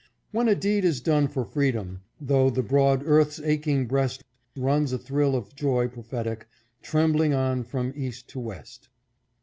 " When a deed is done for freedom, Through the broad earth's aching breast Runs a thrill of joy prophetic, Trembling on from East to West.